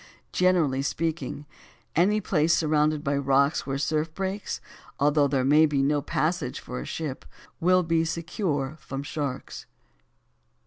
Generally speaking, any place surrounded by rocks where the surf breaks, although there may be no passage for a ship, will be secure from sharks.